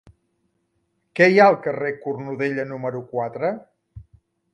Què hi ha al carrer de Cornudella número quatre?